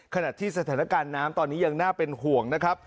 ขณะที่สถานการณ์น้ำตอนนี้ยังน่าเป็นห่วงนะครับ